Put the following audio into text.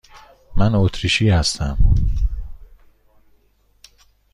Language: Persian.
من اتریشی هستم.